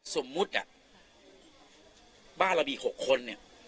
สมมุติบ้านเรามี๖คน